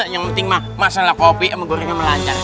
yang penting ma masalah kopi ama gorengnya melancar